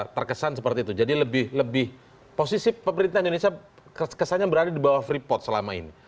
terkesan seperti itu jadi lebih posisi pemerintahan indonesia kesannya berada di bawah freeport selama ini